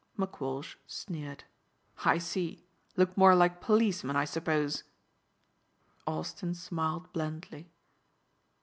McWalsh sneered. "I see. Look more like policemen I suppose?" Austin smiled blandly.